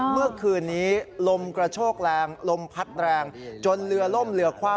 เมื่อคืนนี้ลมกระโชกแรงลมพัดแรงจนเรือล่มเรือคว่ำ